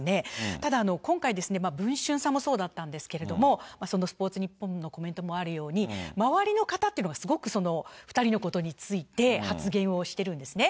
ただ、今回、文春さんもそうだったんですけれども、そのスポーツニッポンのコメントもあるように、周りの方っていうのも、２人のことについて発言をしてるんですね。